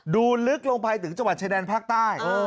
ดูลึกลงไปถึงจังหวัดชายแดนภาคใต้